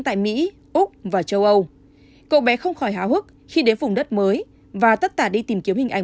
tại mỹ úc và châu âu cậu bé không khỏi háo hức khi đến vùng đất mới và tất cả đi tìm kiếm hình ảnh